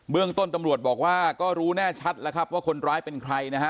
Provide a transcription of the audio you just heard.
เรื่องต้นตำรวจบอกว่าก็รู้แน่ชัดแล้วครับว่าคนร้ายเป็นใครนะฮะ